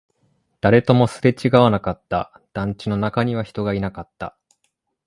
誰ともすれ違わなかった、団地の中には人がいなかった